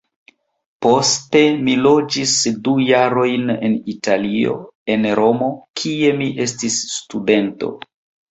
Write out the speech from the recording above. Poste mi loĝis du jarojn en Italio, en Romo, kie mi estis studento.